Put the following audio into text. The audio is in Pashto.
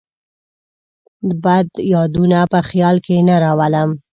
بد یادونه په خیال کې نه راولم.